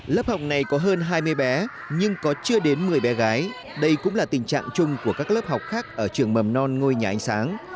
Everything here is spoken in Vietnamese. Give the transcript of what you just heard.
lớp học này có hơn hai mươi bé nhưng có chưa đến một mươi bé gái đây cũng là tình trạng chung của các lớp học khác ở trường mầm non ngôi nhà ánh sáng